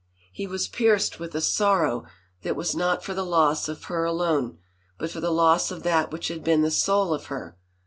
He was pierced with a sorrow that was not for the loss of her alone, but for the loss of that which had been the soul of her.